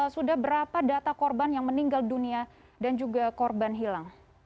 sudah berapa data korban yang meninggal dunia dan juga korban hilang